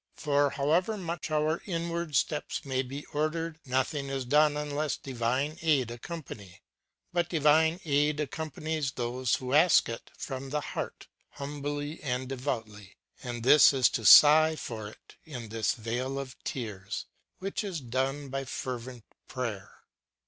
For, however much our inward steps may be ordered, nothing is done unless divine aid accompany. But divine aid accoinpanies those who ask it from the heart, humbly and devoutly, and this is to sigh for it in this vale of tears ŌĆö which is done by fervent prayer.